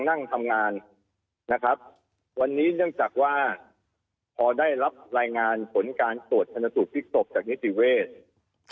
นั่งทำงานนะครับวันนี้เนื่องจากว่าพอได้รับรายงานผลการตรวจชนสูตรพลิกศพจากนิติเวศ